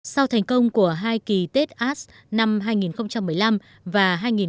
sau thành công của hai kỳ tết as năm hai nghìn một mươi năm và hai nghìn một mươi tám